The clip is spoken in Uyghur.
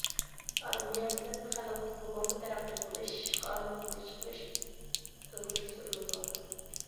ئارمىيە بىلەن خەلق يۇغۇرما تەرەققىي قىلىش قانۇنىنى چىقىرىش ئىلگىرى سۈرۈلىدۇ.